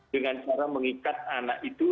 dengan cara mengikat anak itu